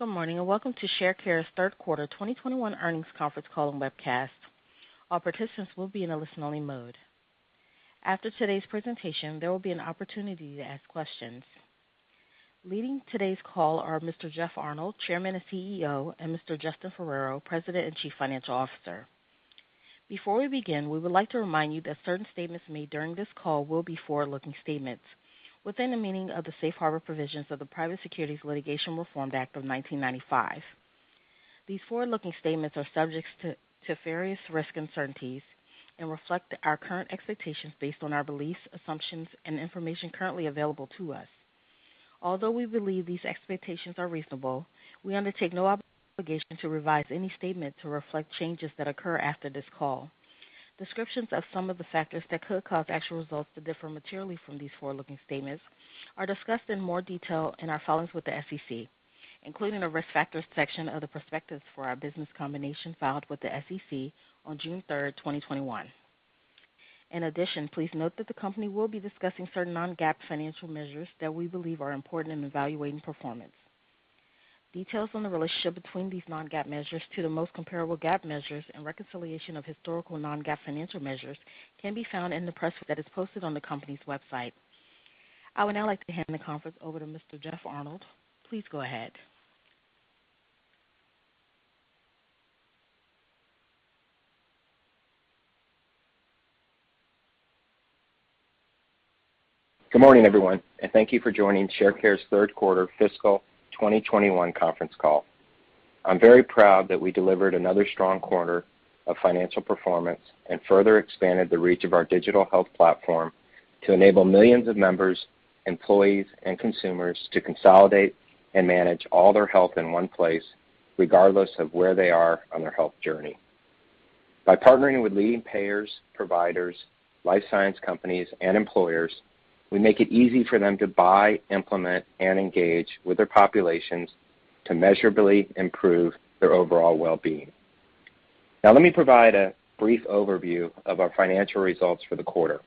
Good morning, and welcome to Sharecare's third quarter 2021 earnings conference call and webcast. All participants will be in a listening mode. After today's presentation, there will be an opportunity to ask questions. Leading today's call are Mr. Jeff Arnold, Chairman and CEO, and Mr. Justin Ferrero, President and Chief Financial Officer. Before we begin, we would like to remind you that certain statements made during this call will be forward-looking statements within the meaning of the Safe Harbor provisions of the Private Securities Litigation Reform Act of 1995. These forward-looking statements are subject to various risks and uncertainties and reflect our current expectations based on our beliefs, assumptions, and information currently available to us. Although we believe these expectations are reasonable, we undertake no obligation to revise any statement to reflect changes that occur after this call. Descriptions of some of the factors that could cause actual results to differ materially from these forward-looking statements are discussed in more detail in our filings with the SEC, including the Risk Factors section of the prospectus for our business combination filed with the SEC on June 3, 2021. In addition, please note that the company will be discussing certain non-GAAP financial measures that we believe are important in evaluating performance. Details on the relationship between these non-GAAP measures to the most comparable GAAP measures and reconciliation of historical non-GAAP financial measures can be found in the presentation that is posted on the company's website. I would now like to hand the conference over to Mr. Jeff Arnold. Please go ahead. Good morning, everyone, and thank you for joining Sharecare's third quarter fiscal 2021 conference call. I'm very proud that we delivered another strong quarter of financial performance and further expanded the reach of our digital health platform to enable millions of members, employees, and consumers to consolidate and manage all their health in one place, regardless of where they are on their health journey. By partnering with leading payers, providers, life science companies, and employers, we make it easy for them to buy, implement, and engage with their populations to measurably improve their overall well-being. Now, let me provide a brief overview of our financial results for the quarter.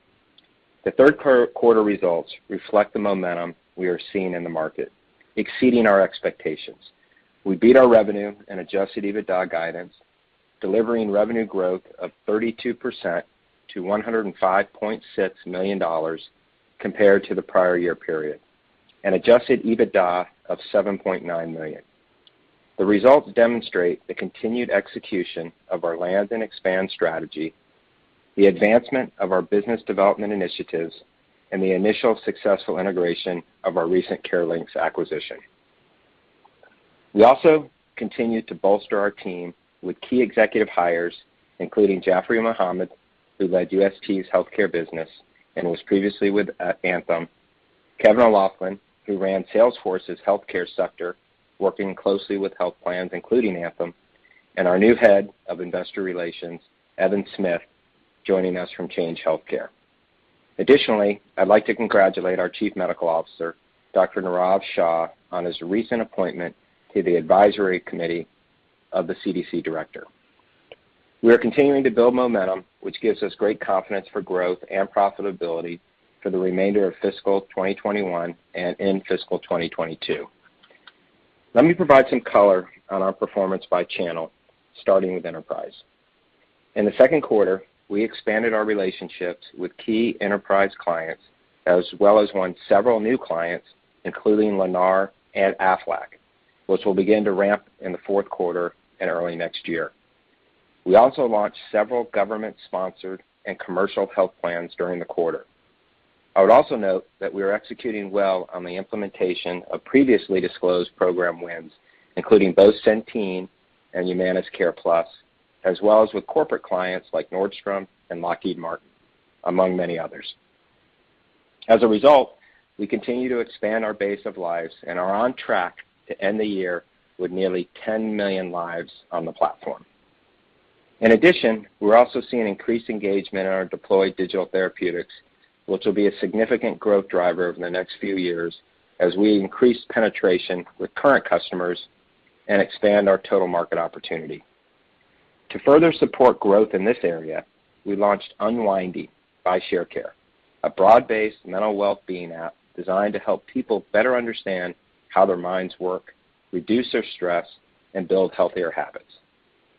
The third quarter results reflect the momentum we are seeing in the market, exceeding our expectations. We beat our revenue and adjusted EBITDA guidance, delivering revenue growth of 32% to $105.6 million compared to the prior year period, and adjusted EBITDA of $7.9 million. The results demonstrate the continued execution of our land and expand strategy, the advancement of our business development initiatives, and the initial successful integration of our recent CareLinx acquisition. We also continued to bolster our team with key executive hires, including Jaffry Mohammed, who led UST's healthcare business and was previously with Anthem, Kevin O'Laughlin, who ran Salesforce's healthcare sector, working closely with health plans, including Anthem, and our new Head of Investor Relations, Evan Smith, joining us from Change Healthcare. Additionally, I'd like to congratulate our Chief Medical Officer, Dr. Nirav Shah, on his recent appointment to the advisory committee of the CDC director. We are continuing to build momentum, which gives us great confidence for growth and profitability for the remainder of fiscal 2021 and in fiscal 2022. Let me provide some color on our performance by channel, starting with enterprise. In the second quarter, we expanded our relationships with key enterprise clients as well as won several new clients, including Lennar and Aflac, which will begin to ramp in the fourth quarter and early next year. We also launched several government-sponsored and commercial health plans during the quarter. I would also note that we are executing well on the implementation of previously disclosed program wins, including both Centene and Humana's CarePlus, as well as with corporate clients like Nordstrom and Lockheed Martin, among many others. As a result, we continue to expand our base of lives and are on track to end the year with nearly 10 million lives on the platform. In addition, we're also seeing increased engagement in our deployed digital therapeutics, which will be a significant growth driver over the next few years as we increase penetration with current customers and expand our total market opportunity. To further support growth in this area, we launched Unwinding by Sharecare, a broad-based mental well-being app designed to help people better understand how their minds work, reduce their stress, and build healthier habits.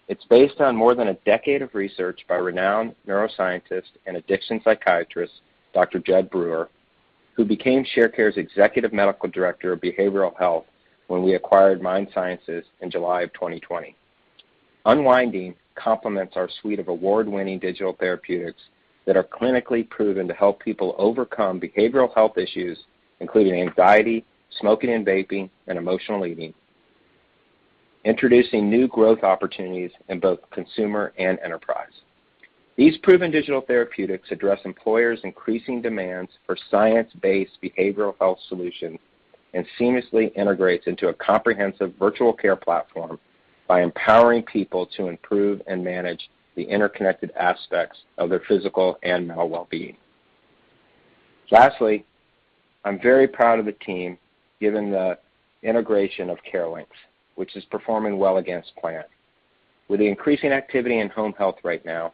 It's based on more than a decade of research by renowned neuroscientist and addiction psychiatrist, Dr. Jed Brewer, who became Sharecare's Executive Medical Director of Behavioral Health when we acquired MindSciences in July 2020. Unwinding complements our suite of award-winning digital therapeutics that are clinically proven to help people overcome behavioral health issues, including anxiety, smoking and vaping, and emotional eating, introducing new growth opportunities in both consumer and enterprise. These proven digital therapeutics address employers' increasing demands for science-based behavioral health solutions and seamlessly integrate into a comprehensive virtual care platform by empowering people to improve and manage the interconnected aspects of their physical and mental well-being. Lastly, I'm very proud of the team given the integration of CareLinx, which is performing well against plan. With the increasing activity in home health right now,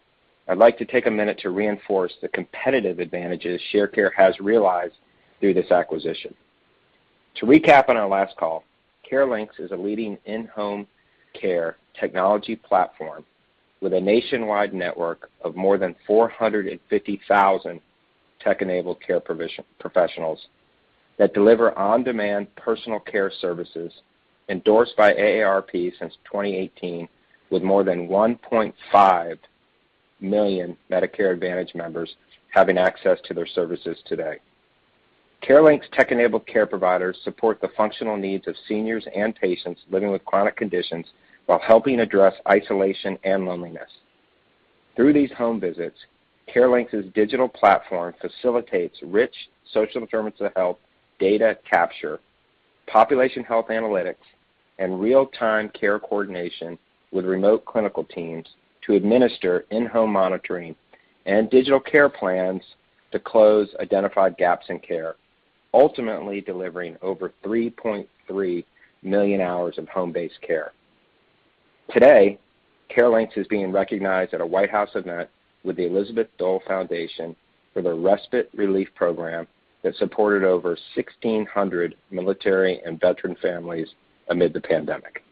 I'd like to take a minute to reinforce the competitive advantages Sharecare has realized through this acquisition. To recap on our last call, CareLinx is a leading in-home care technology platform with a nationwide network of more than 450,000 tech-enabled care providers that deliver on-demand personal care services endorsed by AARP since 2018, with more than 1.5 million Medicare Advantage members having access to their services today. CareLinx tech-enabled care providers support the functional needs of seniors and patients living with chronic conditions while helping address isolation and loneliness. Through these home visits, CareLinx's digital platform facilitates rich social determinants of health data capture, population health analytics, and real-time care coordination with remote clinical teams to administer in-home monitoring and digital care plans to close identified gaps in care, ultimately delivering over 3.3 million hours of home-based care. Today, CareLinx is being recognized at a White House event with the Elizabeth Dole Foundation for their Respite Relief program that supported over 1,600 military and veteran families amid the pandemic.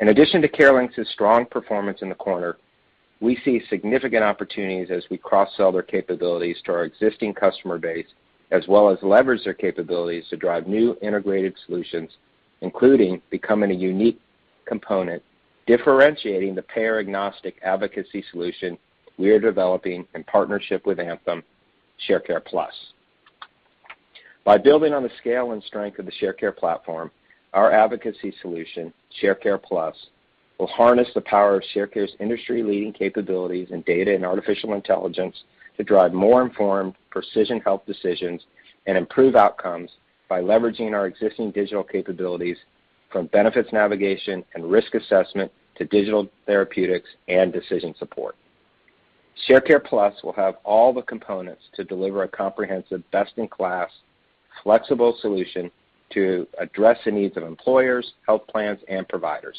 In addition to CareLinx's strong performance in the quarter, we see significant opportunities as we cross-sell their capabilities to our existing customer base, as well as leverage their capabilities to drive new integrated solutions, including becoming a unique component, differentiating the payer-agnostic advocacy solution we are developing in partnership with Anthem, Sharecare Plus. By building on the scale and strength of the Sharecare platform, our advocacy solution, Sharecare Plus, will harness the power of Sharecare's industry-leading capabilities in data and artificial intelligence to drive more informed precision health decisions and improve outcomes by leveraging our existing digital capabilities from benefits navigation and risk assessment to digital therapeutics and decision support. Sharecare Plus will have all the components to deliver a comprehensive, best-in-class, flexible solution to address the needs of employers, health plans, and providers.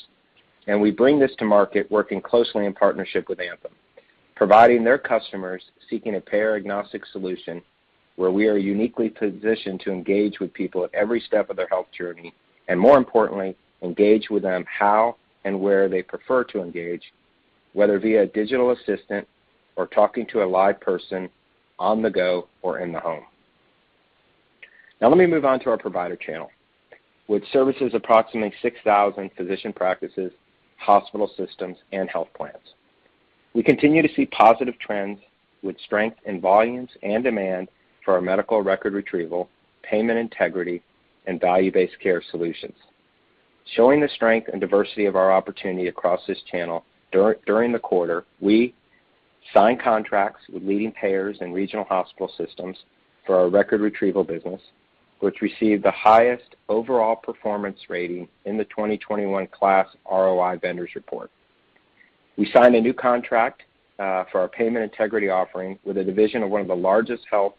We bring this to market working closely in partnership with Anthem, providing their customers seeking a payer-agnostic solution where we are uniquely positioned to engage with people at every step of their health journey, and more importantly, engage with them how and where they prefer to engage, whether via digital assistant or talking to a live person on the go or in the home. Now let me move on to our provider channel, which services approximately 6,000 physician practices, hospital systems, and health plans. We continue to see positive trends with strength in volumes and demand for our medical record retrieval, payment integrity, and value-based care solutions. Showing the strength and diversity of our opportunity across this channel, during the quarter, we signed contracts with leading payers and regional hospital systems for our record retrieval business, which received the highest overall performance rating in the 2021 KLAS ROI Vendors Report. We signed a new contract for our payment integrity offering with a division of one of the largest health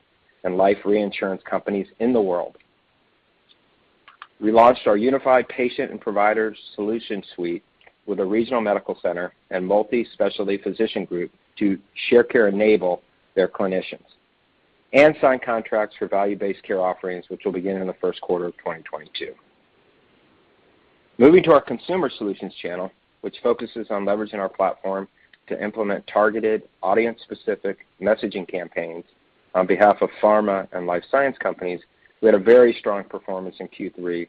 and life reinsurance companies in the world. We launched our unified patient and provider solution suite with a regional medical center and multi-specialty physician group to Sharecare enable their clinicians, and signed contracts for value-based care offerings, which will begin in the first quarter of 2022. Moving to our consumer solutions channel, which focuses on leveraging our platform to implement targeted audience-specific messaging campaigns on behalf of pharma and life science companies, we had a very strong performance in Q3,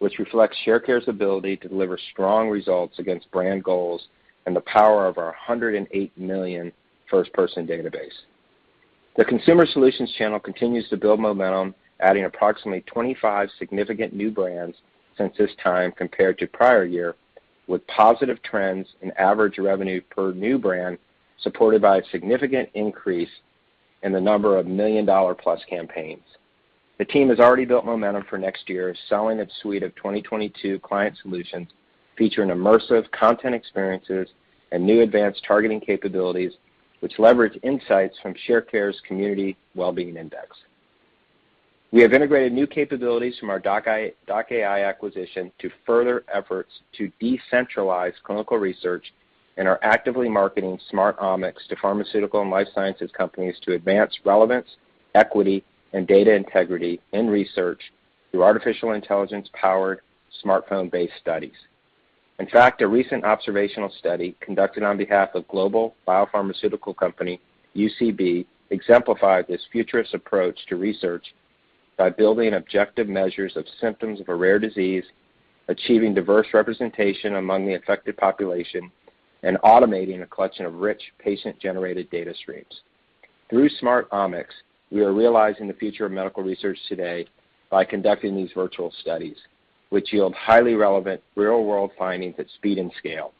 which reflects Sharecare's ability to deliver strong results against brand goals and the power of our 108 million first-person database. The consumer solutions channel continues to build momentum, adding approximately 25 significant new brands since this time compared to prior year, with positive trends in average revenue per new brand, supported by a significant increase in the number of million-dollar-plus campaigns. The team has already built momentum for next year, selling its suite of 2022 client solutions featuring immersive content experiences and new advanced targeting capabilities, which leverage insights from Sharecare's Community Wellbeing Index. We have integrated new capabilities from our doc.ai acquisition to further efforts to decentralize clinical research and are actively marketing Smart OMIX to pharmaceutical and life sciences companies to advance relevance, equity, and data integrity in research through artificial intelligence-powered smartphone-based studies. In fact, a recent observational study conducted on behalf of global biopharmaceutical company UCB exemplified this futuristic approach to research by building objective measures of symptoms of a rare disease, achieving diverse representation among the affected population, and automating a collection of rich patient-generated data streams. Through Smart Omix, we are realizing the future of medical research today by conducting these virtual studies, which yield highly relevant real-world findings at speed and scale.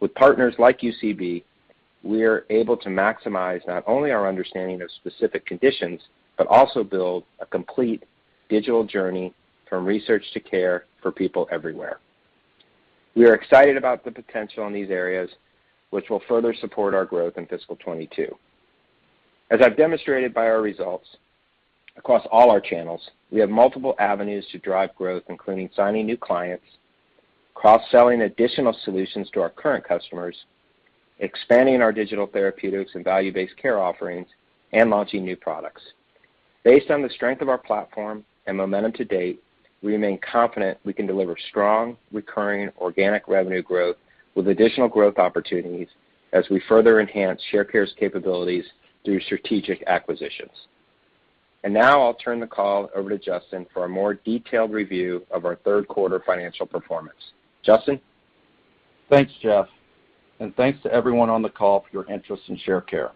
With partners like UCB, we are able to maximize not only our understanding of specific conditions, but also build a complete digital journey from research to care for people everywhere. We are excited about the potential in these areas, which will further support our growth in fiscal 2022. As I've demonstrated by our results across all our channels, we have multiple avenues to drive growth, including signing new clients, cross-selling additional solutions to our current customers, expanding our digital therapeutics and value-based care offerings, and launching new products. Based on the strength of our platform and momentum to date, we remain confident we can deliver strong, recurring, organic revenue growth with additional growth opportunities as we further enhance Sharecare's capabilities through strategic acquisitions. Now, I'll turn the call over to Justin for a more detailed review of our third quarter financial performance. Justin? Thanks, Jeff, and thanks to everyone on the call for your interest in Sharecare.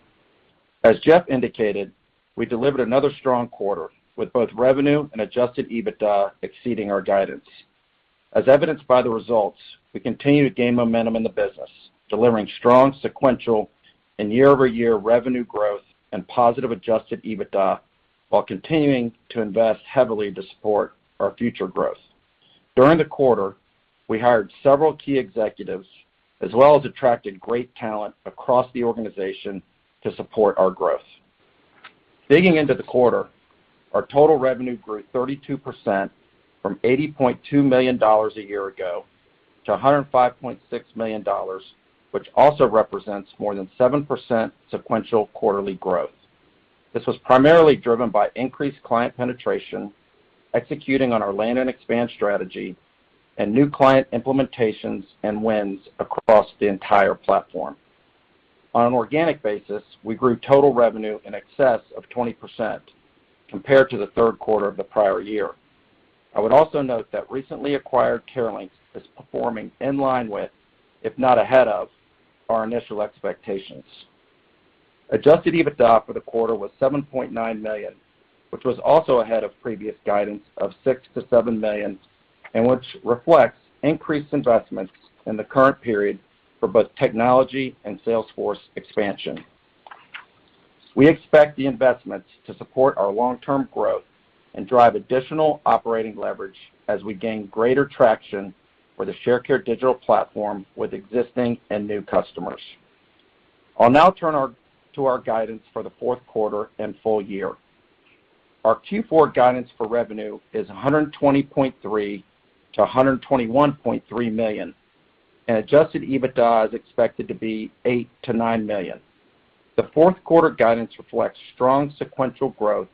As Jeff indicated, we delivered another strong quarter, with both revenue and adjusted EBITDA exceeding our guidance. As evidenced by the results, we continue to gain momentum in the business, delivering strong sequential and year-over-year revenue growth and positive adjusted EBITDA, while continuing to invest heavily to support our future growth. During the quarter, we hired several key executives, as well as attracted great talent across the organization to support our growth. Digging into the quarter, our total revenue grew 32% from $80.2 million a year ago to $105.6 million, which also represents more than 7% sequential quarterly growth. This was primarily driven by increased client penetration, executing on our land and expand strategy, and new client implementations and wins across the entire platform. On an organic basis, we grew total revenue in excess of 20% compared to the third quarter of the prior year. I would also note that recently acquired CareLinx is performing in line with, if not ahead of, our initial expectations. Adjusted EBITDA for the quarter was $7.9 million, which was also ahead of previous guidance of $6 million-$7 million, and which reflects increased investments in the current period for both technology and sales force expansion. We expect the investments to support our long-term growth and drive additional operating leverage as we gain greater traction for the Sharecare digital platform with existing and new customers. I'll now turn to our guidance for the fourth quarter and full year. Our Q4 guidance for revenue is $120.3 million-$121.3 million, and adjusted EBITDA is expected to be $8 million-$9 million. The fourth quarter guidance reflects strong sequential growth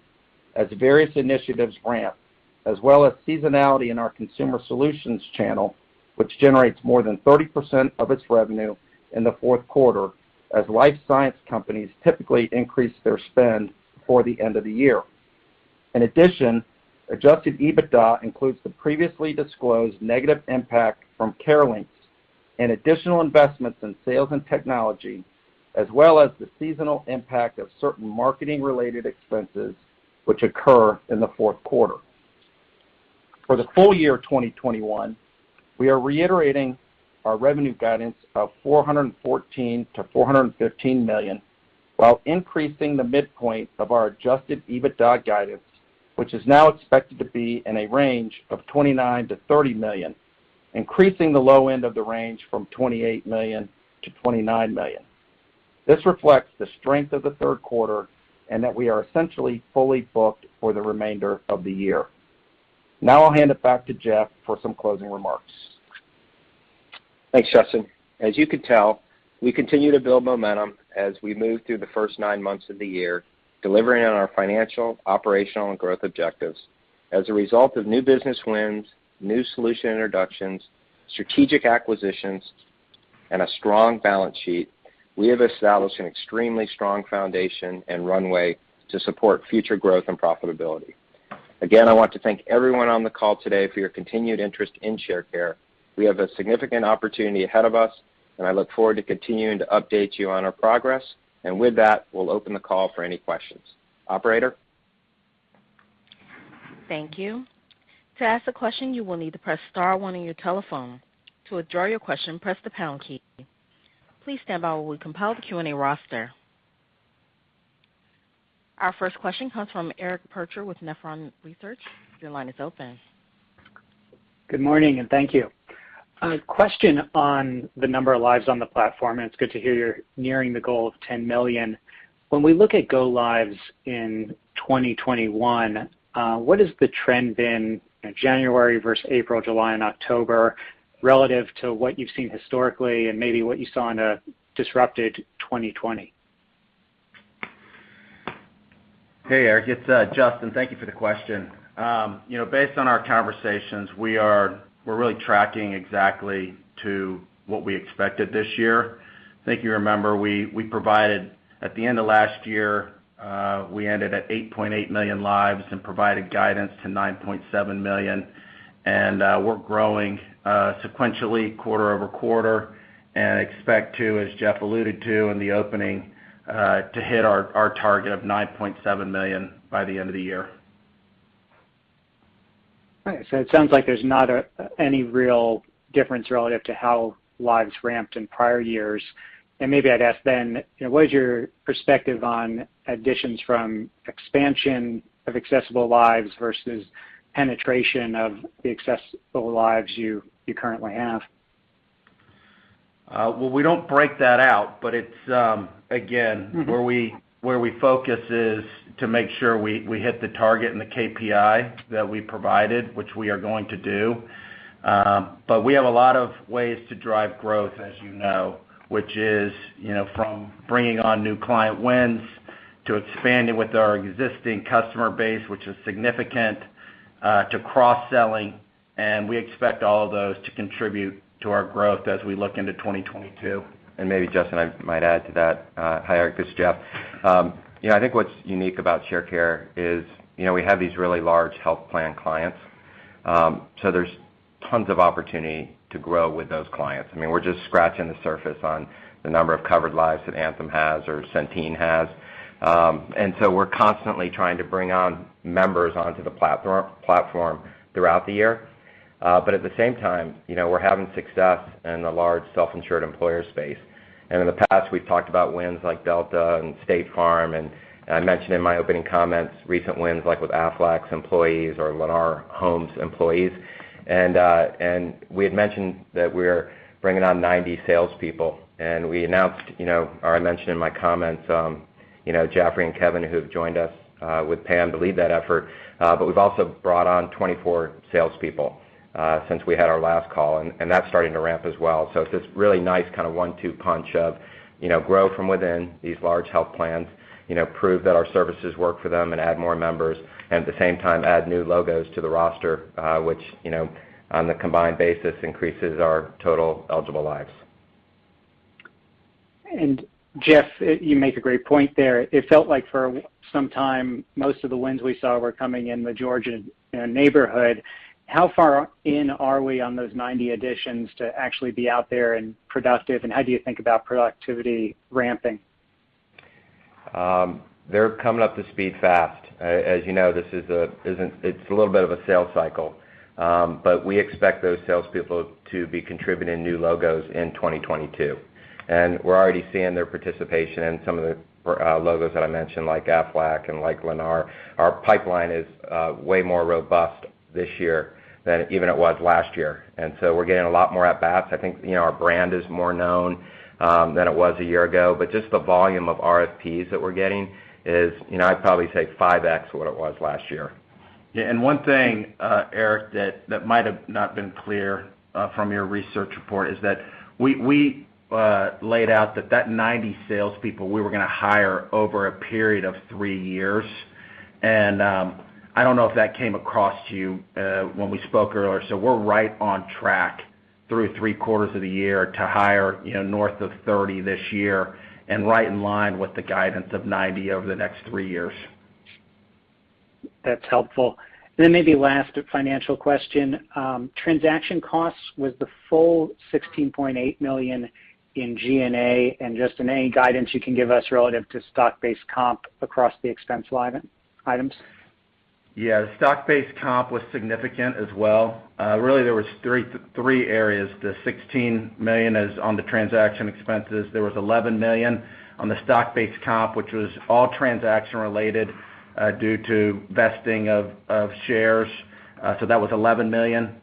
as various initiatives ramp, as well as seasonality in our consumer solutions channel, which generates more than 30% of its revenue in the fourth quarter, as life science companies typically increase their spend for the end of the year. In addition, adjusted EBITDA includes the previously disclosed negative impact from CareLinx and additional investments in sales and technology, as well as the seasonal impact of certain marketing-related expenses which occur in the fourth quarter. For the full year 2021, we are reiterating our revenue guidance of $414 million-$415 million, while increasing the midpoint of our adjusted EBITDA guidance, which is now expected to be in a range of $29 million-$30 million, increasing the low end of the range from $28 million to $29 million. This reflects the strength of the third quarter and that we are essentially fully booked for the remainder of the year. Now, I'll hand it back to Jeff for some closing remarks. Thanks, Justin. As you can tell, we continue to build momentum as we move through the first nine months of the year, delivering on our financial, operational, and growth objectives. As a result of new business wins, new solution introductions, strategic acquisitions, and a strong balance sheet, we have established an extremely strong foundation and runway to support future growth and profitability. Again, I want to thank everyone on the call today for your continued interest in Sharecare. We have a significant opportunity ahead of us, and I look forward to continuing to update you on our progress. With that, we'll open the call for any questions. Operator? Thank you. To ask a question, you will need to press star one on your telephone. To withdraw your question, press the pound key. Please stand by while we compile the Q&A roster. Our first question comes from Eric Percher with Nephron Research. Your line is open. Good morning, and thank you. A question on the number of lives on the platform, and it's good to hear you're nearing the goal of 10 million. When we look at go lives in 2021, what has the trend been in January versus April, July and October, relative to what you've seen historically and maybe what you saw in a disrupted 2020? Hey, Eric, it's Justin. Thank you for the question. You know, based on our conversations, we're really tracking exactly to what we expected this year. I think you remember we provided, at the end of last year, we ended at 8.8 million lives and provided guidance to 9.7 million. We're growing sequentially quarter-over-quarter and expect to, as Jeff alluded to in the opening, to hit our target of 9.7 million by the end of the year. All right. It sounds like there's not any real difference relative to how lives ramped in prior years. Maybe I'd ask then, you know, what is your perspective on additions from expansion of accessible lives versus penetration of the accessible lives you currently have? Well, we don't break that out, but it's again, where we focus is to make sure we hit the target and the KPI that we provided, which we are going to do. We have a lot of ways to drive growth, as you know, which is you know from bringing on new client wins to expanding with our existing customer base, which is significant, to cross-selling, and we expect all of those to contribute to our growth as we look into 2022. Maybe Justin, I might add to that. Hi, Eric, this is Jeff. You know, I think what's unique about Sharecare is, you know, we have these really large health plan clients. There's tons of opportunity to grow with those clients. I mean, we're just scratching the surface on the number of covered lives that Anthem has or Centene has. We're constantly trying to bring on members onto the platform throughout the year. At the same time, you know, we're having success in the large self-insured employer space. In the past, we've talked about wins like Delta and State Farm. I mentioned in my opening comments recent wins, like with Aflac's employees or Lennar employees. We had mentioned that we're bringing on 90 salespeople, and we announced, you know, or I mentioned in my comments, you know, Jaffry and Kevin, who have joined us, with Pam to lead that effort. But we've also brought on 24 salespeople, since we had our last call, and that's starting to ramp as well. It's this really nice kind of one-two punch of, you know, grow from within these large health plans, you know, prove that our services work for them and add more members, and at the same time, add new logos to the roster, which, you know, on the combined basis, increases our total eligible lives. Jeff, you make a great point there. It felt like for some time, most of the wins we saw were coming in the Georgia neighborhood. How far in are we on those 90 additions to actually be out there and productive? How do you think about productivity ramping? They're coming up to speed fast. As you know, this is a little bit of a sales cycle. We expect those salespeople to be contributing new logos in 2022. We're already seeing their participation in some of the logos that I mentioned, like Aflac and like Lennar. Our pipeline is way more robust this year than even it was last year. We're getting a lot more at-bats. I think, you know, our brand is more known than it was a year ago, but just the volume of RFPs that we're getting is, you know, I'd probably say 5x what it was last year. Yeah, one thing, Eric, that might have not been clear from your research report is that we laid out that 90 salespeople we were gonna hire over a period of three years. I don't know if that came across to you when we spoke earlier. We're right on track through three quarters of the year to hire, you know, north of 30 this year and right in line with the guidance of 90 over the next three years. That's helpful. Maybe last financial question. Transaction costs was the full $16.8 million in G&A. Justin, any guidance you can give us relative to stock-based comp across the expense line items? Yeah. The stock-based comp was significant as well. Really, there was three areas. The $16 million is on the transaction expenses. There was $11 million on the stock-based comp, which was all transaction-related, due to vesting of shares. That was $11 million.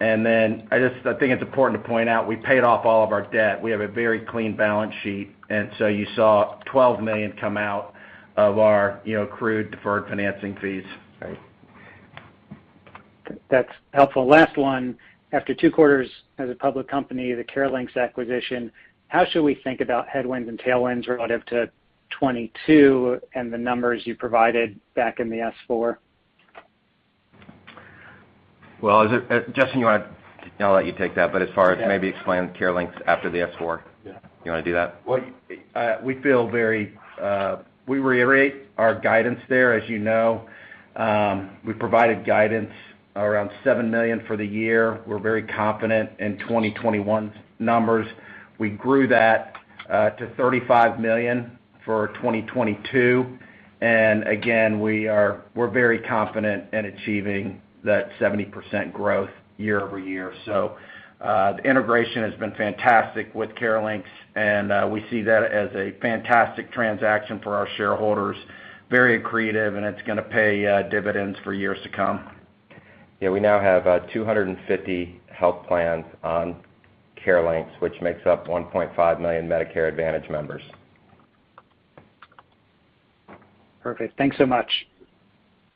I think it's important to point out, we paid off all of our debt. We have a very clean balance sheet, and so you saw $12 million come out of our, you know, accrued deferred financing fees. Great. That's helpful. Last one. After 2 quarters as a public company, the CareLinx acquisition, how should we think about headwinds and tailwinds relative to 2022 and the numbers you provided back in the S-4? Well, Justin, you wanna I'll let you take that, but as far as maybe explaining CareLinx after the S-4. Yeah. You wanna do that? We reiterate our guidance there. As you know, we provided guidance around $7 million for the year. We're very confident in 2021's numbers. We grew that to $35 million for 2022. We're very confident in achieving that 70% growth year-over-year. The integration has been fantastic with CareLinx, and we see that as a fantastic transaction for our shareholders, very accretive, and it's gonna pay dividends for years to come. Yeah. We now have 250 health plans on CareLinx, which makes up 1.5 million Medicare Advantage members. Perfect. Thanks so much.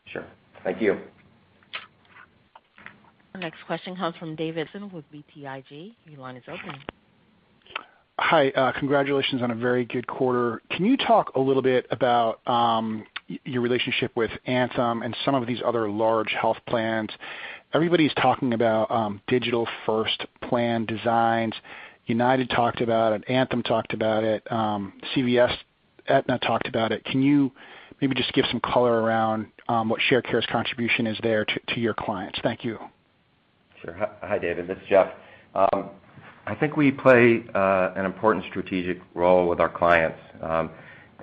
Sure. Thank you. The next question comes from David Larsen with BTIG. Your line is open. Hi. Congratulations on a very good quarter. Can you talk a little bit about your relationship with Anthem and some of these other large health plans? Everybody's talking about digital-first plan designs. UnitedHealthcare talked about it, Anthem talked about it, CVS, Aetna talked about it. Can you maybe just give some color around what Sharecare's contribution is there to your clients? Thank you. Sure. Hi, David, this is Jeff. I think we play an important strategic role with our clients,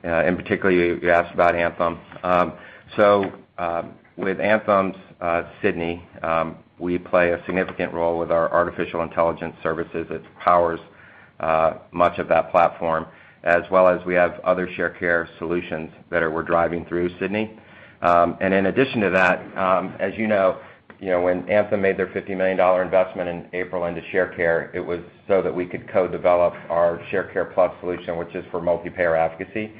and particularly, you asked about Anthem. With Anthem's Sydney, we play a significant role with our artificial intelligence services. It powers much of that platform, as well as we have other Sharecare solutions that we're driving through Sydney. In addition to that, as you know, you know, when Anthem made their $50 million investment in April into Sharecare, it was so that we could co-develop our Sharecare Plus solution, which is for multi-payer advocacy.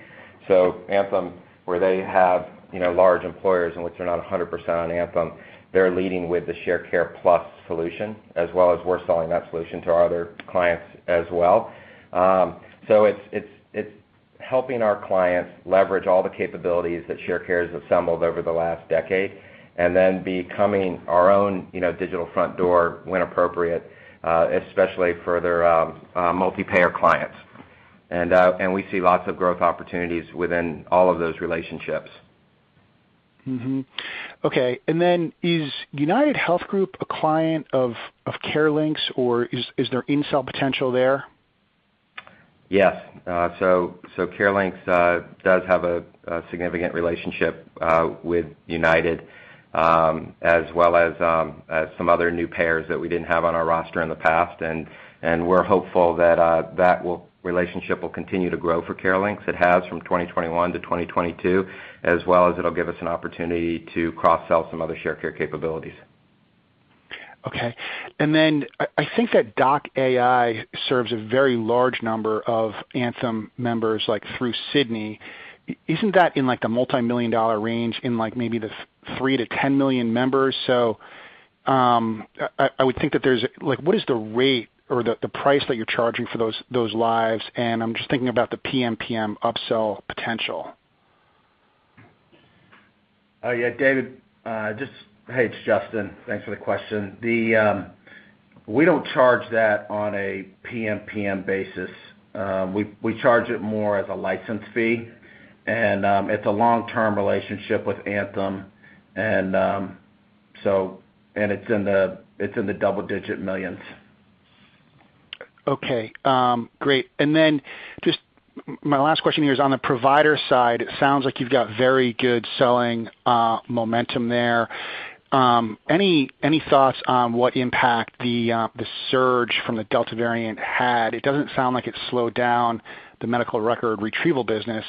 Anthem, where they have, you know, large employers in which they're not 100% on Anthem, they're leading with the Sharecare Plus solution, as well as we're selling that solution to our other clients as well. It's helping our clients leverage all the capabilities that Sharecare has assembled over the last decade, and then becoming our own, you know, digital front door when appropriate, especially for their multi-payer clients. We see lots of growth opportunities within all of those relationships. Mm-hmm. Okay. Is UnitedHealth Group a client of CareLinx, or is there cross-sell potential there? Yes. CareLinx does have a significant relationship with UnitedHealthcare, as well as some other new payers that we didn't have on our roster in the past. We're hopeful that relationship will continue to grow for CareLinx. It has from 2021 to 2022, as well as it'll give us an opportunity to cross-sell some other Sharecare capabilities. Okay. I think that doc.ai serves a very large number of Anthem members, like through Sydney. Isn't that in like the multimillion-dollar range, like maybe the 3-10 million members? I would think that. Like, what is the rate or the price that you're charging for those lives? I'm just thinking about the PMPM upsell potential. Hey, it's Justin. Thanks for the question. We don't charge that on a PMPM basis. We charge it more as a license fee, and it's a long-term relationship with Anthem, and it's in the double-digit millions. Okay. Great. Then just my last question here is on the provider side, it sounds like you've got very good selling momentum there. Any thoughts on what impact the surge from the Delta variant had? It doesn't sound like it slowed down the medical record retrieval business.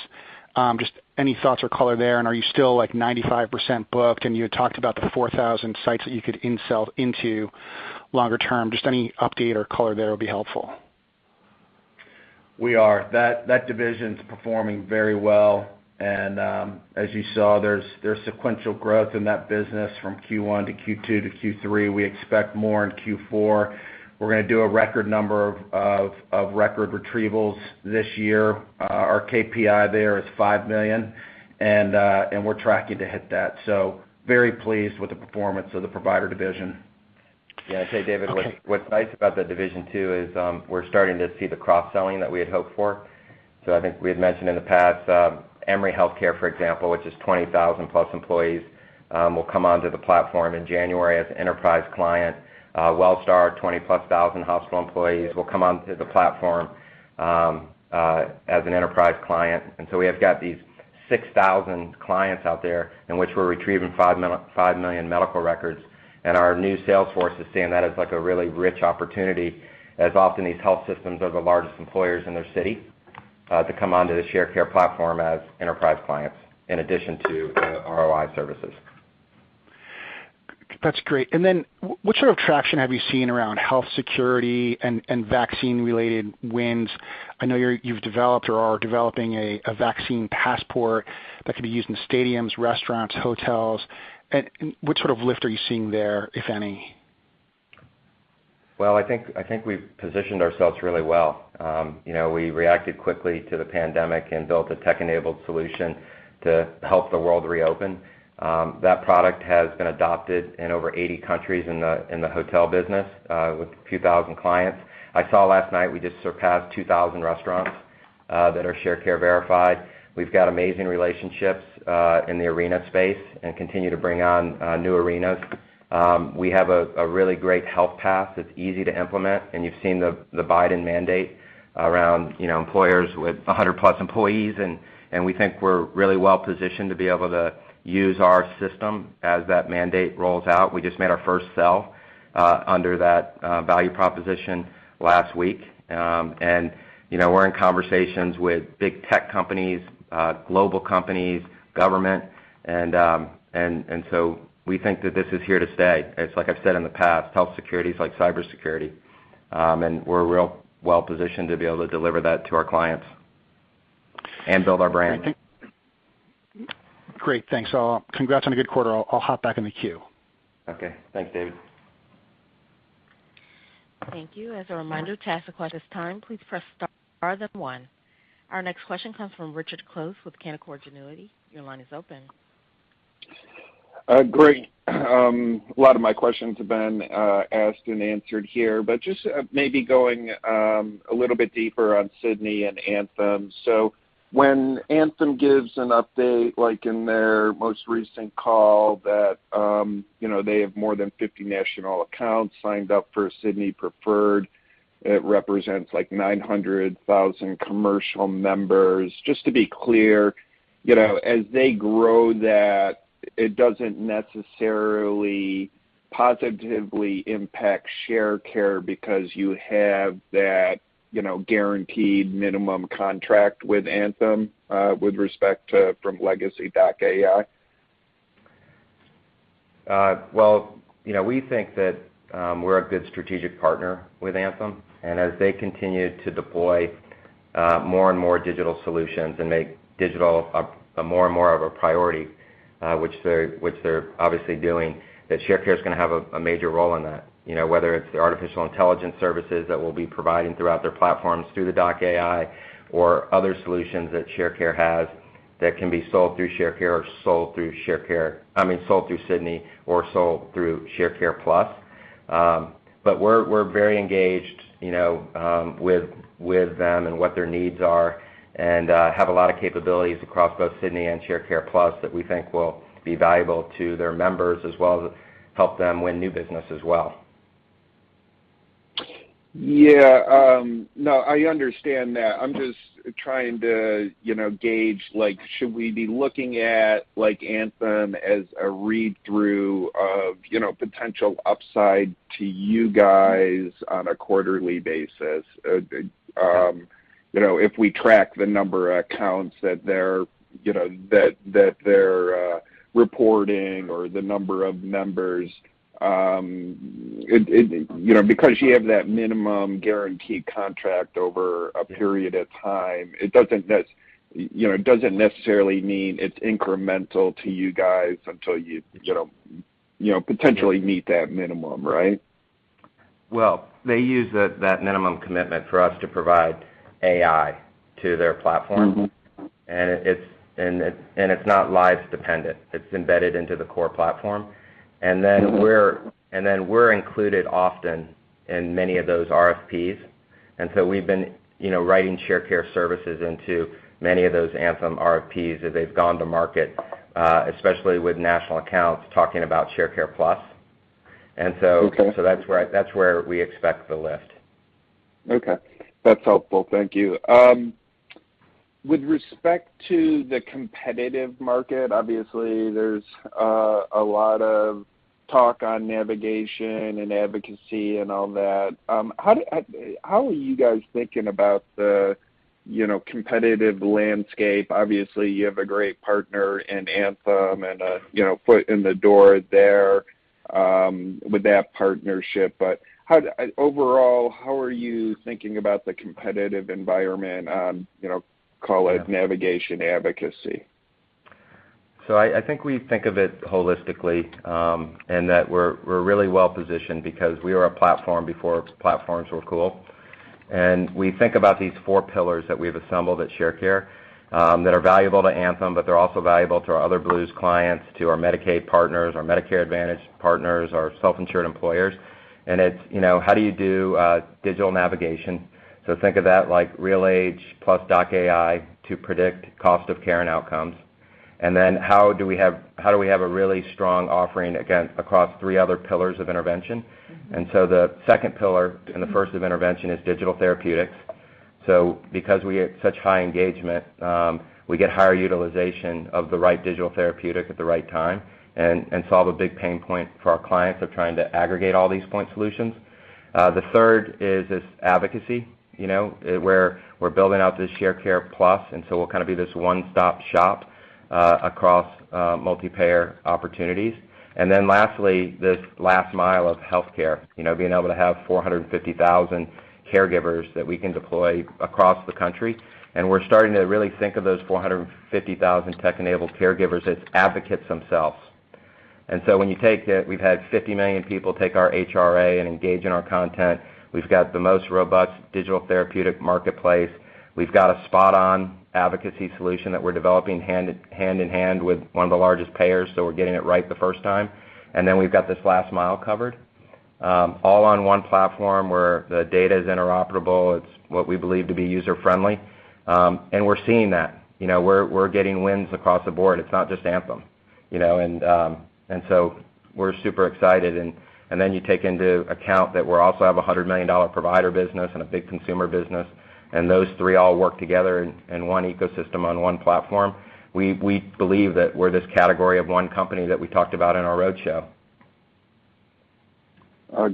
Just any thoughts or color there? Are you still, like, 95% booked? You had talked about the 4,000 sites that you could in-sell into longer term. Just any update or color there would be helpful. We are. That division's performing very well. As you saw, there's sequential growth in that business from Q1 to Q2 to Q3. We expect more in Q4. We're gonna do a record number of record retrievals this year. Our KPI there is 5 million, and we're tracking to hit that. Very pleased with the performance of the provider division. Yeah. I'd say, David. Okay What's nice about that division too is we're starting to see the cross-selling that we had hoped for. I think we had mentioned in the past, Emory Healthcare, for example, which is 20,000+ employees, will come onto the platform in January as an enterprise client. Wellstar, 20,000+ hospital employees will come onto the platform, as an enterprise client. We have got these 6,000 clients out there in which we're retrieving 5 million medical records. Our new sales force is seeing that as, like, a really rich opportunity, as often these health systems are the largest employers in their city, to come onto the Sharecare platform as enterprise clients in addition to the ROI services. That's great. What sort of traction have you seen around Health Security and vaccine-related wins? I know you've developed or are developing a vaccine passport that could be used in stadiums, restaurants, hotels. What sort of lift are you seeing there, if any? Well, I think we've positioned ourselves really well. You know, we reacted quickly to the pandemic and built a tech-enabled solution to help the world reopen. That product has been adopted in over 80 countries in the hotel business with a few thousand clients. I saw last night we just surpassed 2,000 restaurants that are Sharecare verified. We've got amazing relationships in the arena space and continue to bring on new arenas. We have a really great health path that's easy to implement, and you've seen the Biden mandate around, you know, employers with 100+ employees. We think we're really well positioned to be able to use our system as that mandate rolls out. We just made our first sale under that value proposition last week. You know, we're in conversations with big tech companies, global companies, government, so we think that this is here to stay. It's like I've said in the past, health security is like cybersecurity, and we're real well positioned to be able to deliver that to our clients and build our brand. Great. Thanks. Congrats on a good quarter. I'll hop back in the queue. Okay. Thanks, David. Thank you. As a reminder, to ask a question at this time, please press star then one. Our next question comes from Richard Close with Canaccord Genuity. Your line is open. Great. A lot of my questions have been asked and answered here, but just maybe going a little bit deeper on Sydney and Anthem. When Anthem gives an update, like in their most recent call, that you know, they have more than 50 national accounts signed up for Sydney Preferred, it represents like 900,000 commercial members. Just to be clear, you know, as they grow that, it doesn't necessarily positively impact Sharecare because you have that you know, guaranteed minimum contract with Anthem, uh, with respect to from legacy doc.ai? Well, you know, we think that we're a good strategic partner with Anthem. As they continue to deploy more and more digital solutions and make digital a more and more of a priority, which they're obviously doing, that Sharecare is gonna have a major role in that. You know, whether it's the artificial intelligence services that we'll be providing throughout their platforms through the doc.ai or other solutions that Sharecare has that can be sold through Sharecare or sold through Sydney or sold through Sharecare Plus. We're very engaged, you know, with them and what their needs are, and have a lot of capabilities across both Sydney and Sharecare Plus that we think will be valuable to their members as well as help them win new business as well. Yeah. No, I understand that. I'm just trying to, you know, gauge, like should we be looking at like Anthem as a read-through of, you know, potential upside to you guys on a quarterly basis? You know, if we track the number of accounts that they're reporting or the number of members, you know, because you have that minimum guarantee contract over a period of time, it doesn't necessarily mean it's incremental to you guys until you potentially meet that minimum, right? Well, they use that minimum commitment for us to provide AI to their platform. Mm-hmm. It's not live dependent. It's embedded into the core platform. Mm-hmm. We're included often in many of those RFPs, and so we've been, you know, writing Sharecare services into many of those Anthem RFPs as they've gone to market, especially with national accounts talking about Sharecare+. Okay. That's where we expect the lift. Okay. That's helpful. Thank you. With respect to the competitive market, obviously there's a lot of talk on navigation and advocacy and all that. How are you guys thinking about the, you know, competitive landscape? Obviously, you have a great partner in Anthem and a, you know, foot in the door there, with that partnership. Overall, how are you thinking about the competitive environment on, you know, call it navigation advocacy? I think we think of it holistically, and that we're really well positioned because we were a platform before platforms were cool. We think about these four pillars that we've assembled at Sharecare that are valuable to Anthem, but they're also valuable to our other Blues clients, to our Medicaid partners, our Medicare Advantage partners, our self-insured employers. It's, you know, how do you do digital navigation? Think of that like RealAge plus doc.ai to predict cost of care and outcomes. Then how do we have a really strong offering again across three other pillars of intervention? Mm-hmm. The second pillar and the first of intervention is digital therapeutics. Because we have such high engagement, we get higher utilization of the right digital therapeutic at the right time and solve a big pain point for our clients of trying to aggregate all these point solutions. The third is this advocacy, you know, where we're building out this Sharecare+, and so we'll kind of be this one-stop shop across multi-payer opportunities. Lastly, this last mile of healthcare, you know, being able to have 450,000 caregivers that we can deploy across the country, and we're starting to really think of those 450,000 tech-enabled caregivers as advocates themselves. When you take that we've had 50 million people take our HRA and engage in our content, we've got the most robust digital therapeutic marketplace, we've got a spot-on advocacy solution that we're developing hand in hand with one of the largest payers, so we're getting it right the first time, and then we've got this last mile covered, all on one platform where the data is interoperable. It's what we believe to be user-friendly. And we're seeing that. You know, we're getting wins across the board. It's not just Anthem, you know. We're super excited. Then you take into account that we also have a $100 million provider business and a big consumer business, and those three all work together in one ecosystem on one platform. We believe that we're this category of one company that we talked about in our roadshow.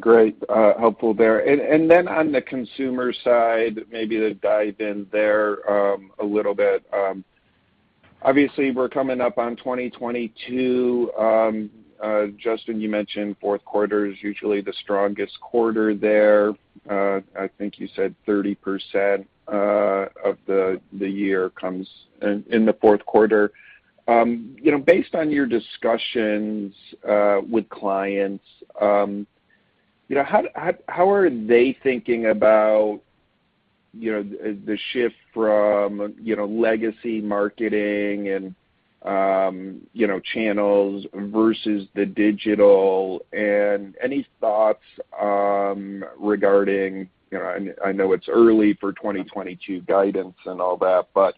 Great. Helpful there. Then on the consumer side, maybe to dive in there a little bit. Obviously we're coming up on 2022. Justin, you mentioned fourth quarter is usually the strongest quarter there. I think you said 30% of the year comes in the fourth quarter. You know, based on your discussions with clients, you know, how are they thinking about, you know, the shift from, you know, legacy marketing and, you know, channels versus the digital? Any thoughts regarding, you know. I know it's early for 2022 guidance and all that, but,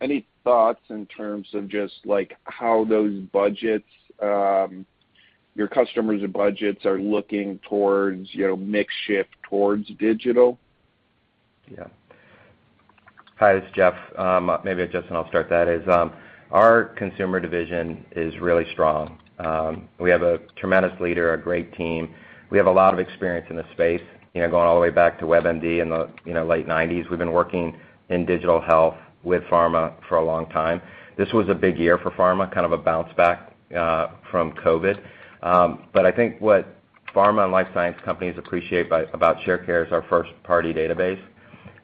any thoughts in terms of just like how those budgets, your customers' budgets are looking towards, you know, mix shift towards digital? Yeah. Hi, this is Jeff. Our consumer division is really strong. We have a tremendous leader, a great team. We have a lot of experience in this space, you know, going all the way back to WebMD in the, you know, late 1990s. We've been working in digital health with pharma for a long time. This was a big year for pharma, kind of a bounce back from COVID. I think what pharma and life science companies appreciate about Sharecare is our first-party database.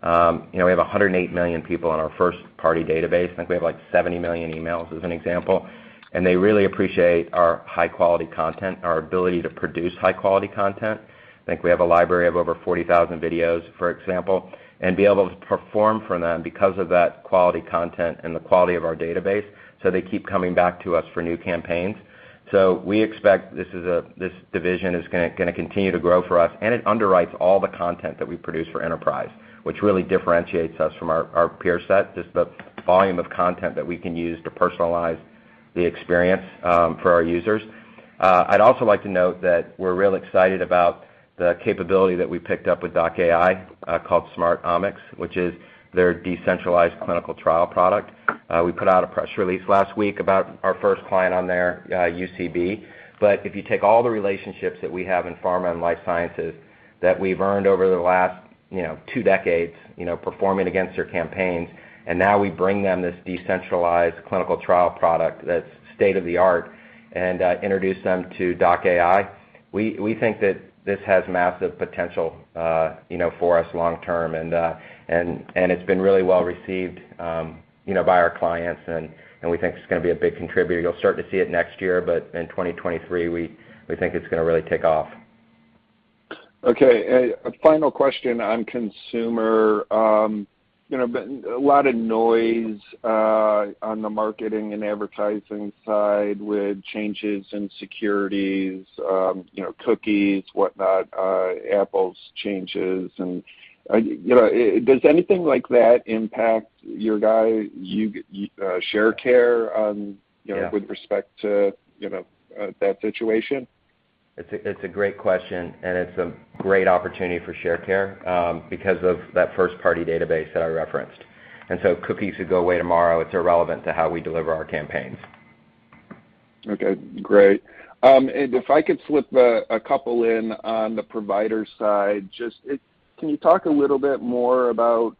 You know, we have 108 million people on our first-party database. I think we have, like 70 million emails, as an example. They really appreciate our high quality content, our ability to produce high quality content. I think we have a library of over 40,000 videos, for example, and be able to perform for them because of that quality content and the quality of our database, so they keep coming back to us for new campaigns. We expect this division is gonna continue to grow for us, and it underwrites all the content that we produce for enterprise, which really differentiates us from our peer set, just the volume of content that we can use to personalize the experience for our users. I'd also like to note that we're real excited about the capability that we picked up with doc.ai, called Smart Omix, which is their decentralized clinical trial product. We put out a press release last week about our first client on there, UCB. If you take all the relationships that we have in pharma and life sciences that we've earned over the last, you know, two decades, you know, performing against their campaigns, and now we bring them this decentralized clinical trial product that's state-of-the-art and introduce them to doc.ai, we think that this has massive potential, you know, for us long term. It's been really well received, you know, by our clients and we think it's gonna be a big contributor. You'll start to see it next year, but in 2023, we think it's gonna really take off. Okay. A final question on consumer. You know, there's been a lot of noise on the marketing and advertising side with changes in privacy, you know, cookies, whatnot, Apple's changes. You know, does anything like that impact you guys, Sharecare, you know- Yeah With respect to, you know, that situation? It's a great question, and it's a great opportunity for Sharecare, because of that first-party database that I referenced. Cookies could go away tomorrow. It's irrelevant to how we deliver our campaigns. Okay, great. If I could slip a couple in on the provider side, just, can you talk a little bit more about,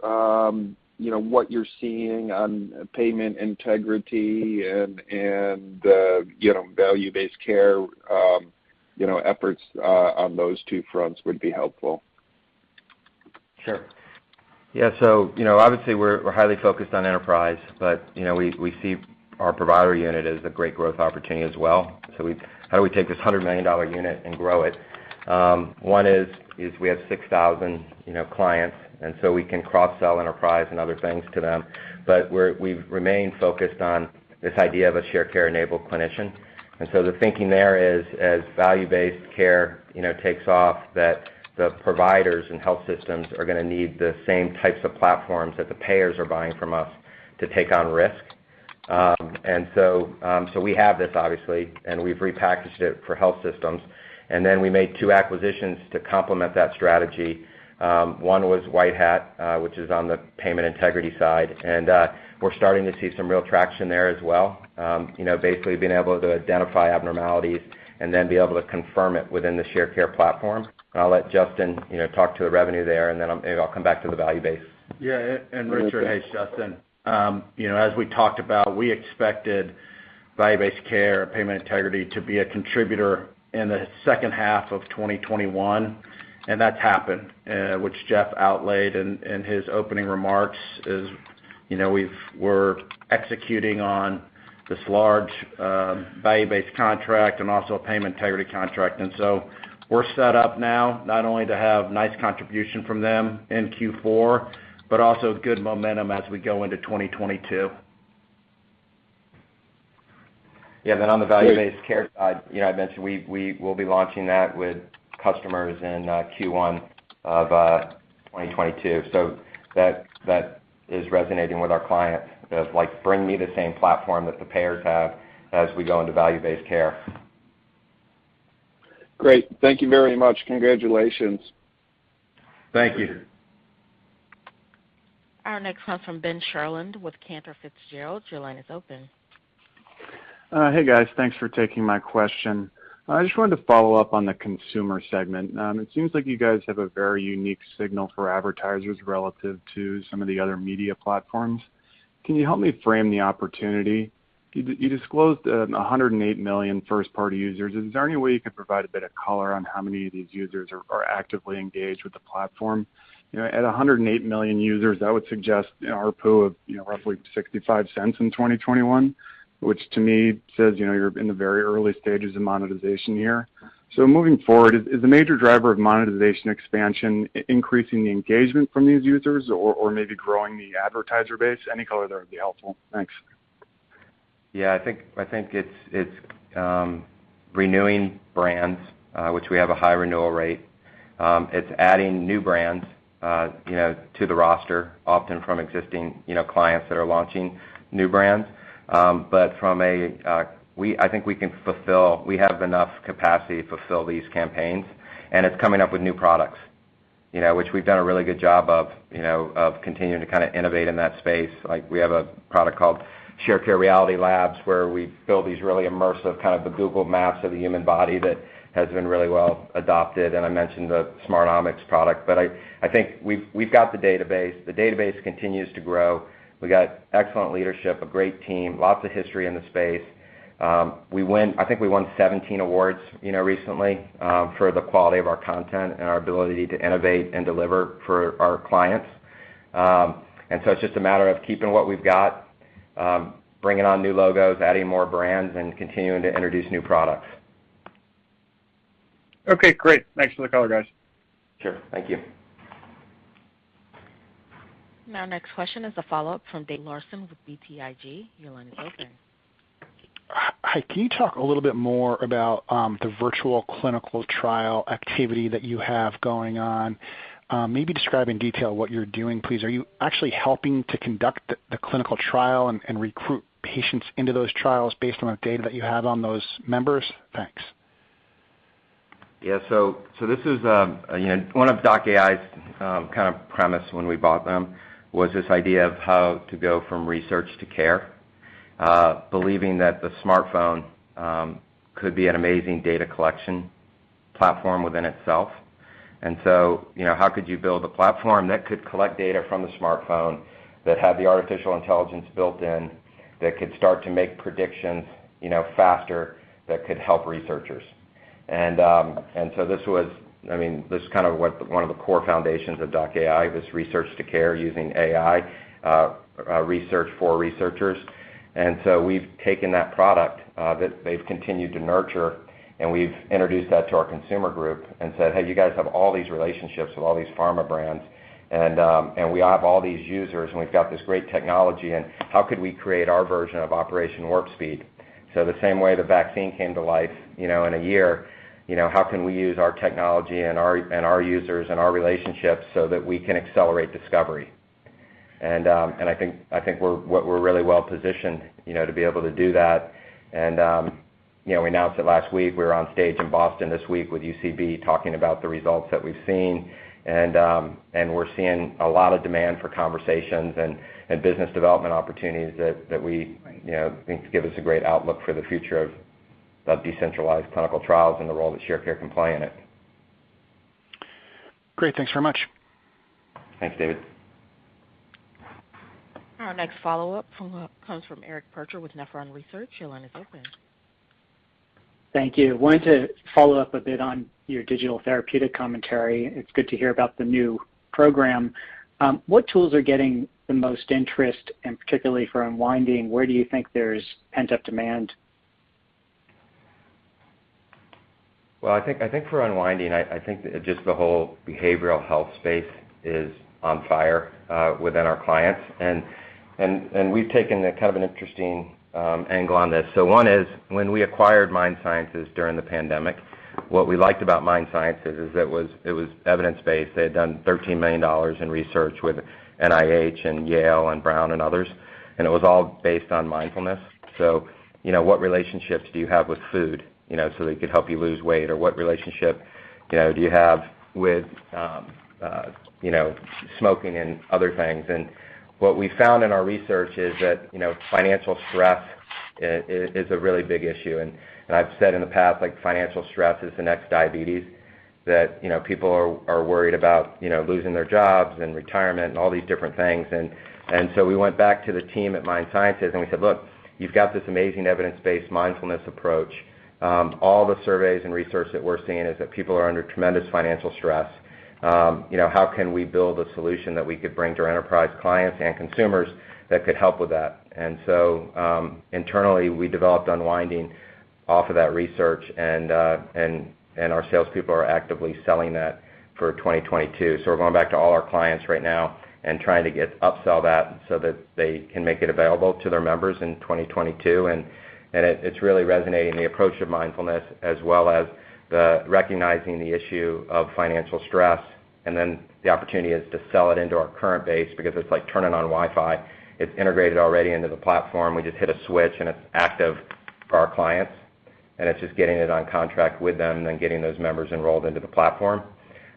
you know, what you're seeing on payment integrity and, you know, value-based care, you know, efforts on those two fronts would be helpful. Sure. Yeah. You know, obviously we're highly focused on enterprise, but you know, we see our provider unit as a great growth opportunity as well. How do we take this $100 million unit and grow it? One is we have 6,000, you know, clients, and we can cross-sell enterprise and other things to them. We've remained focused on this idea of a Sharecare-enabled clinician. The thinking there is, as value-based care you know, takes off, that the providers and health systems are gonna need the same types of platforms that the payers are buying from us to take on risk. We have this obviously, and we've repackaged it for health systems. Then we made two acquisitions to complement that strategy. One was WhiteHatAI, which is on the payment integrity side. We're starting to see some real traction there as well. You know, basically being able to identify abnormalities and then be able to confirm it within the Sharecare platform. I'll let Justin, you know, talk to the revenue there, and then, maybe I'll come back to the value-based. Richard, hey, Justin. You know, as we talked about, we expected value-based care, payment integrity to be a contributor in the second half of 2021, and that's happened. Which Jeff outlined in his opening remarks is, you know, we're executing on this large value-based contract and also a payment integrity contract. We're set up now not only to have nice contribution from them in Q4, but also good momentum as we go into 2022. On the value-based care side, you know, I mentioned we'll be launching that with customers in Q1 of 2022. That is resonating with our clients. They're like, "Bring me the same platform that the payers have as we go into value-based care." Great. Thank you very much. Congratulations. Thank you. Our next comes from Ben Sharland with Cantor Fitzgerald. Your line is open. Hey, guys. Thanks for taking my question. I just wanted to follow up on the consumer segment. It seems like you guys have a very unique signal for advertisers relative to some of the other media platforms. Can you help me frame the opportunity? You disclosed 108 million first-party users. Is there any way you can provide a bit of color on how many of these users are actively engaged with the platform? You know, at 108 million users, that would suggest, you know, ARPU of roughly $0.65 in 2021, which to me says, you know, you're in the very early stages of monetization here. Moving forward, is the major driver of monetization expansion increasing the engagement from these users or maybe growing the advertiser base? Any color there would be helpful. Thanks. Yeah. I think it's renewing brands, which we have a high renewal rate. It's adding new brands, you know, to the roster, often from existing, you know, clients that are launching new brands. But I think we have enough capacity to fulfill these campaigns, and it's coming up with new products, you know, which we've done a really good job of, you know, of continuing to kinda innovate in that space. Like, we have a product called Sharecare Reality Lab, where we build these really immersive kind of the Google Maps of the human body that has been really well adopted, and I mentioned the Smart Omix product. But I think we've got the database. The database continues to grow. We got excellent leadership, a great team, lots of history in the space. I think we won 17 awards, you know, recently, for the quality of our content and our ability to innovate and deliver for our clients. It's just a matter of keeping what we've got, bringing on new logos, adding more brands, and continuing to introduce new products. Okay, great. Thanks for the color, guys. Sure. Thank you. Our next question is a follow-up from David Larsen with BTIG. Your line is open. Hi. Can you talk a little bit more about the virtual clinical trial activity that you have going on? Maybe describe in detail what you're doing, please. Are you actually helping to conduct the clinical trial and recruit patients into those trials based on the data that you have on those members? Thanks. This is one of doc.ai's kind of premise when we bought them was this idea of how to go from research to care, believing that the smartphone could be an amazing data collection platform within itself. You know, how could you build a platform that could collect data from the smartphone that had the artificial intelligence built in that could start to make predictions, you know, faster that could help researchers? This was, I mean, this is kind of what one of the core foundations of doc.ai, this research to care using AI, research for researchers. We've taken that product that they've continued to nurture, and we've introduced that to our consumer group and said, "Hey, you guys have all these relationships with all these pharma brands. We have all these users, and we've got this great technology, and how could we create our version of Operation Warp Speed? The same way the vaccine came to life, you know, in a year, you know, how can we use our technology and our users, and our relationships so that we can accelerate discovery? I think we're really well positioned, you know, to be able to do that. You know, we announced it last week. We're on stage in Boston this week with UCB, talking about the results that we've seen. We're seeing a lot of demand for conversations and business development opportunities that we, you know, think give us a great outlook for the future of decentralized clinical trials and the role that Sharecare can play in it. Great. Thanks very much. Thanks, David. Our next follow-up comes from Eric Percher with Nephron Research. Your line is open. Thank you. I wanted to follow up a bit on your digital therapeutic commentary. It's good to hear about the new program. What tools are getting the most interest? Particularly for Unwinding, where do you think there's pent-up demand? I think for Unwinding just the whole behavioral health space is on fire within our clients. We've taken a kind of an interesting angle on this. One is, when we acquired MindSciences during the pandemic, what we liked about MindSciences is it was evidence-based. They had done $13 million in research with NIH, and Yale, and Brown, and others, and it was all based on mindfulness. You know, what relationships do you have with food, you know, so they could help you lose weight? Or what relationship, you know, do you have with, you know, smoking and other things? What we found in our research is that, you know, financial stress is a really big issue. I've said in the past, like financial stress is the next diabetes that, you know, people are worried about, you know, losing their jobs and retirement and all these different things. We went back to the team at MindSciences, and we said, "Look, you've got this amazing evidence-based mindfulness approach. All the surveys and research that we're seeing is that people are under tremendous financial stress. You know, how can we build a solution that we could bring to our enterprise clients and consumers that could help with that?" Internally, we developed Unwinding off of that research. Our salespeople are actively selling that for 2022. We're going back to all our clients right now and trying to upsell that so that they can make it available to their members in 2022. It's really resonating, the approach of mindfulness as well as the recognizing the issue of financial stress. The opportunity is to sell it into our current base because it's like turning on Wi-Fi. It's integrated already into the platform. We just hit a switch, and it's active for our clients, and it's just getting it on contract with them, then getting those members enrolled into the platform.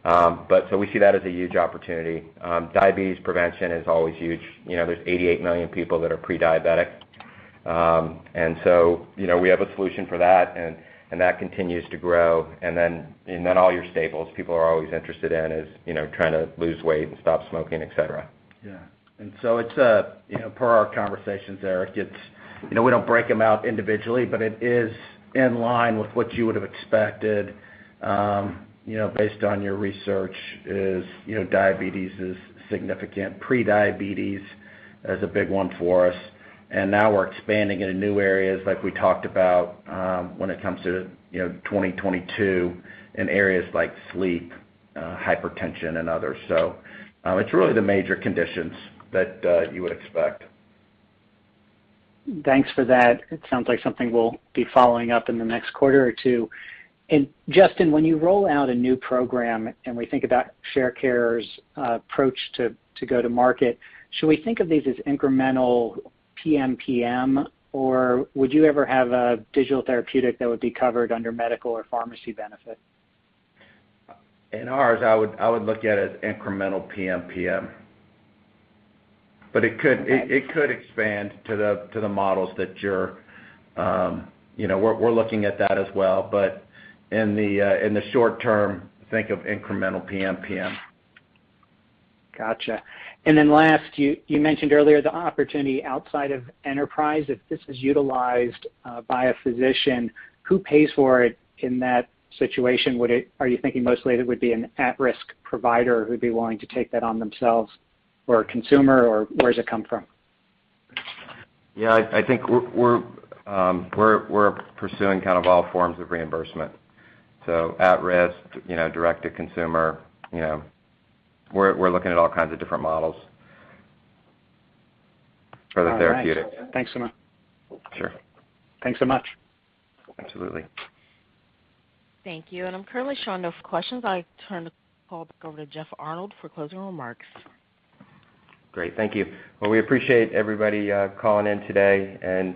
We see that as a huge opportunity. Diabetes prevention is always huge. You know, there's 88 million people that are pre-diabetic. You know, we have a solution for that, and that continues to grow. All your staples people are always interested in is, you know, trying to lose weight and stop smoking, et cetera. Yeah. It's, you know, per our conversations, Eric, it's, you know, we don't break them out individually, but it is in line with what you would have expected, you know, based on your research, you know, diabetes is significant. Prediabetes is a big one for us. Now we're expanding into new areas like we talked about, when it comes to, you know, 2022 in areas like sleep, hypertension, and others. It's really the major conditions that you would expect. Thanks for that. It sounds like something we'll be following up in the next quarter or two. Justin, when you roll out a new program, and we think about Sharecare's approach to go to market, should we think of these as incremental PMPM, or would you ever have a digital therapeutic that would be covered under medical or pharmacy benefit? In ours, I would look at it incremental PMPM. It could- Okay. It could expand to the models that you're you know. We're looking at that as well. But in the short term, think of incremental PMPM. Gotcha. Last, you mentioned earlier the opportunity outside of enterprise. If this is utilized by a physician, who pays for it in that situation? Are you thinking mostly it would be an at-risk provider who'd be willing to take that on themselves or a consumer, or where does it come from? Yeah. I think we're pursuing kind of all forms of reimbursement. At-risk, you know, direct to consumer, you know. We're looking at all kinds of different models for the therapeutic. All right. Thanks so much. Sure. Thanks so much. Absolutely. Thank you. I'm currently showing no further questions. I turn the call back over to Jeff Arnold for closing remarks. Great, thank you. Well, we appreciate everybody calling in today and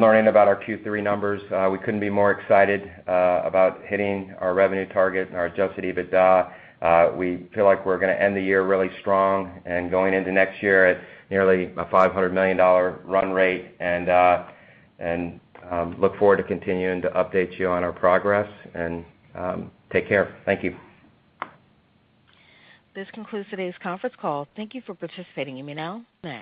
learning about our Q3 numbers. We couldn't be more excited about hitting our revenue target and our adjusted EBITDA. We feel like we're gonna end the year really strong and going into next year at nearly a $500 million run rate and look forward to continuing to update you on our progress. Take care. Thank you. This concludes today's conference call. Thank you for participating. You may now disconnect.